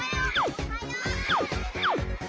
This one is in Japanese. ・おはよう！